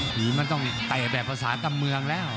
ผีมันต้องเตะแบบภาษากำเมืองแล้ว